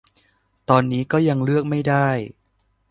ตอนนี้ก็ยังเลือกไม่ได้